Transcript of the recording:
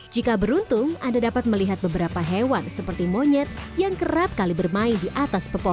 jika beruntung anda dapat melihat beberapa hewan seperti monyet yang kerap kali bermain di atas pepohonan